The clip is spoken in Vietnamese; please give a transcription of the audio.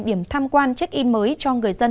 điểm tham quan check in mới cho người dân